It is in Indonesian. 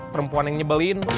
perempuan yang nyebelin